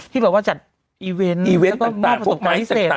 ที่แบบว่าจัดอีเวนต์แล้วก็มอบประสบการณ์พิเศษ